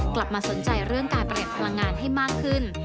กลับมาสนใจเรื่องการประหยัดพลังงานให้มากขึ้น